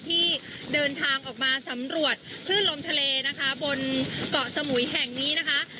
ที่เดินทางออกมาสำรวจคลื่นลมทะเลนะคะบนเกาะสมุยแห่งนี้นะคะ